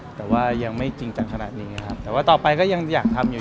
แต่ว่ายังไม่จริงจังขนาดนี้ครับแต่ว่าต่อไปก็ยังอยากทำอยู่